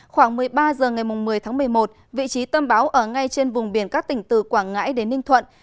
khoảng một mươi ba h ngày một mươi tháng một mươi một vị trí tâm bão ở ngay trên vùng biển các tỉnh từ quảng ngãi đến ninh thuận